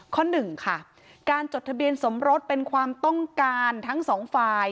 หนึ่งค่ะการจดทะเบียนสมรสเป็นความต้องการทั้งสองฝ่าย